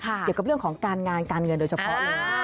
เกี่ยวกับเรื่องของการงานการเงินโดยเฉพาะเลย